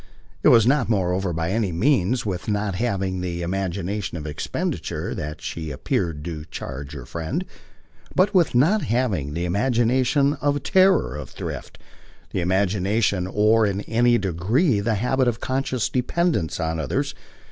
It was not moreover by any means with not having the imagination of expenditure that she appeared to charge her friend, but with not having the imagination of terror, of thrift, the imagination or in any degree the habit of a conscious dependence on others.